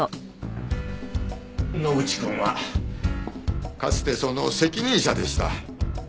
野口くんはかつてその責任者でした。